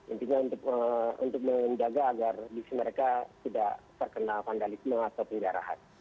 intinya untuk menjaga agar gisi mereka tidak terkena vandalisme atau peliharaan